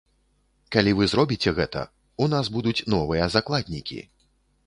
Калі вы зробіце гэта, у нас будуць новыя закладнікі.